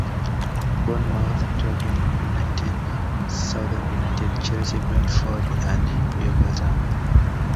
Bournemouth, Torquay United, Southend United, Chelsea, Brentford and Yeovil Town.